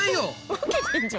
分けてんじゃん。